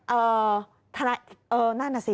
เอ่อทนายเออนั่นน่ะสิ